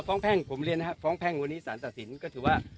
แพ่งผมเรียนนะครับฟ้องแพ่งวันนี้สารตัดสินก็ถือว่า